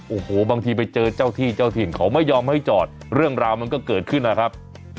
โอ้โหบางทีไปเจอเจ้าที่เจ้าถิ่นเขาไม่ยอมให้จอดเรื่องราวมันก็เกิดขึ้นนะครับ